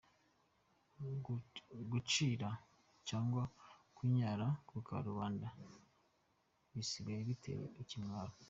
Gucira cyangwa kunyara ku karubanda bisigaye bitera ikimwaro.